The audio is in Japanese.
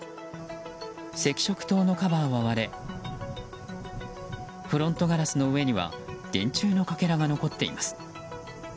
赤色灯のカバーは割れフロントガラスの上には電柱のかけらが残っています。